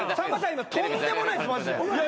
今とんでもないですマジで。